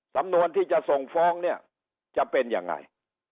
สำนวนที่จะส่งฟ้องเนี่ยจะเป็นยังไง